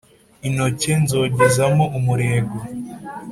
Intoke nzogezamo umurego